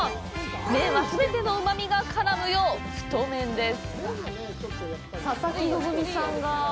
麺は、全てのうまみが絡むよう太麺です。